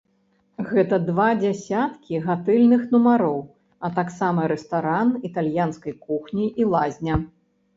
Гэта два дзясяткі гатэльных нумароў, а таксама рэстаран італьянскай кухні і лазня.